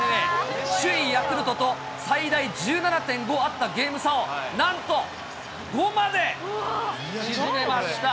首位ヤクルトと最大１７．５あったゲーム差を、なんと５まで縮めました。